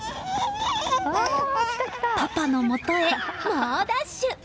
パパのもとへ猛ダッシュ！